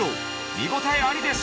見応えありです！